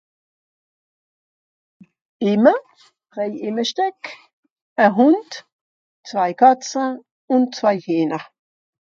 Ìmme, zwäi Ìmmestöeck, e Hund, zwei Katze un zwei Hüehner